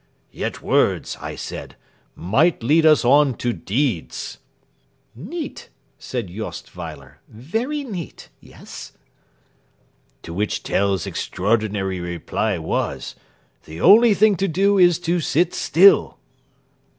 "'Yet words,' I said, 'might lead us on to deeds.'" "Neat," said Jost Weiler "very neat. Yes?" "To which Tell's extraordinary reply was: 'The only thing to do is to sit still.'